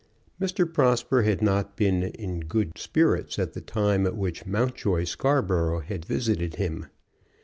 Mr. Prosper had not been in good spirits at the time at which Mountjoy Scarborough had visited him.